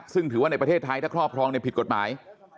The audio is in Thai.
ซึ่งถือว่าในประเทศไทยถ้าครอบครองผิดกฎหมาย